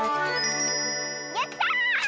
やった！